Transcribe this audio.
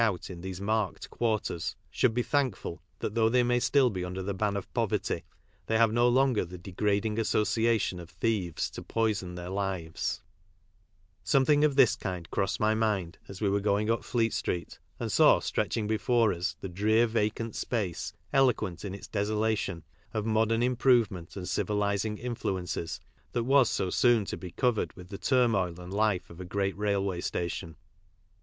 0 ? t in these " marke d " quarters should be thankful that though they may still be under the ban of poverty they have no longer the livfT a3S0Clatl0n of tM eves to poison their Something of this kind crossed my mind as we were going up Fleet street, and saw stretching before us the drear vacant space, eloquent, in its desolation, of modern improvementand civilising influences, that was so soon to be covered with the turmoil and life of a great railway station.